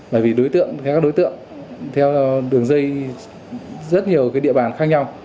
bởi vì các đối tượng theo đường dây rất nhiều địa bàn khác nhau